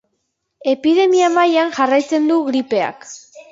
Epidemia mailan jarraitzen du gripeak.